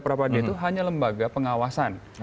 peradilan itu hanya lembaga pengawasan